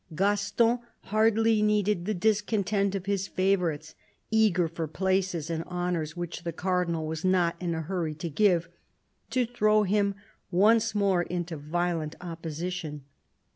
Gaston hardly needed the discontent of his favour rites — eager for places and honours which the Cardinal was not in a hurry to give — to throw him once more into violent opposition.